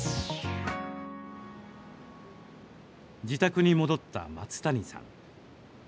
自宅に戻った松谷さん。